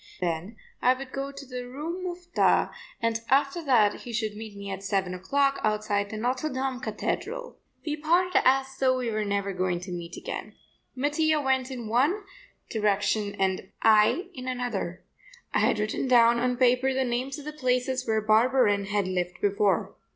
Then I would go to the Rue Mouffetard and after that he should meet me at seven o'clock outside the Notre Dame Cathedral. We parted as though we were never going to meet again. Mattia went in one direction, I in another. I had written down on paper the names of the places where Barberin had lived before.